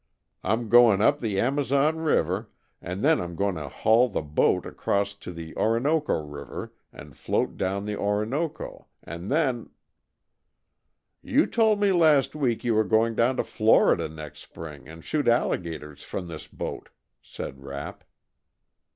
I'm goin' up the Amazon River and then I'm goin' to haul the boat across to the Orinoco River and float down the Orinoco, and then " "You told me last week you were going down to Florida next spring and shoot alligators from this boat," said Rapp.